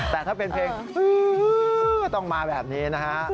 แต่ถ้าเป็นเพลงต้องมาแบบนี้นะครับ